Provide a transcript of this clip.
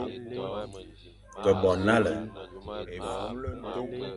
Ke bo nale,